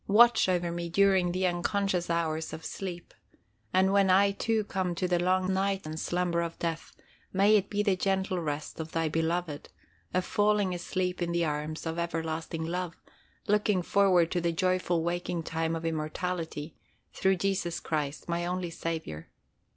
Watch over me during the unconscious hours of sleep, and when I too come to the long night and slumber of death, may it be the gentle rest of Thy beloved, a falling asleep in the arms of everlasting love, looking forward to the joyful waking time of immortality, through Jesus Christ my only Saviour.